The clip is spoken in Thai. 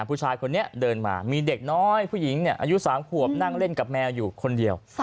ผู้ชายคนนี้เดินมามีเด็กน้อยผู้หญิงอายุ๓ขวบนั่งเล่นกับแมวอยู่คนเดียว